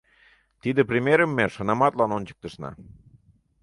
Тиде примерым ме шынаматлан ончыктышна.